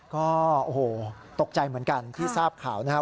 ก็โอ้โหตกใจเหมือนกันที่ทราบข่าวนะครับ